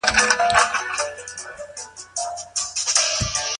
کتابونه د پوهي د لېږد وسیله ده.